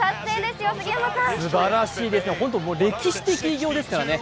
すばらしいですね、歴史的偉業ですからね。